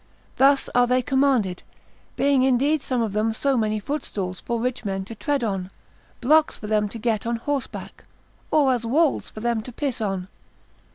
Thus are they commanded, being indeed some of them as so many footstools for rich men to tread on, blocks for them to get on horseback, or as walls for them to piss on.